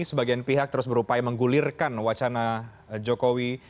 sebagian pihak terus berupaya menggulirkan wacana jokowi